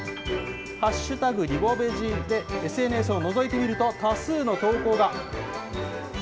リボベジでＳＮＳをのぞいて見ると、多数の投稿が。